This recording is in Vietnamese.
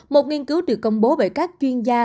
một nghiên cứu được công bố bởi các chuyên gia